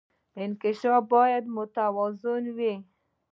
انکشاف باید متوازن وي